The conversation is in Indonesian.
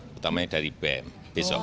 terutama yang dari bem besok